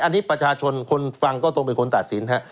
อันนี้ประชาชนคนฟังก็ต้องเป็นคนตัดสินฮะ